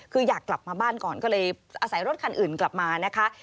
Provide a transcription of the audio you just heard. คืออยากกลับมาบ้านก่อนก็เลยอาศัยรถคันอื่นกลับมานะคะ